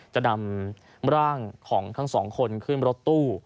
จะนำร่างของทั้งสองคนขึ้นรถตู้